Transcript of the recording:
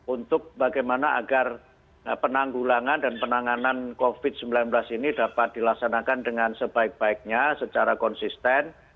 untuk bagaimana agar penanggulangan dan penanganan covid sembilan belas ini dapat dilaksanakan dengan sebaik baiknya secara konsisten